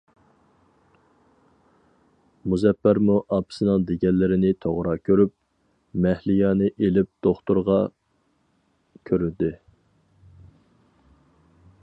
مۇزەپپەرمۇ ئاپىسىنىڭ دېگەنلىرىنى توغرا كۆرۈپ، مەھلىيانى ئېلىپ دوختۇرغا كۆرۈندى.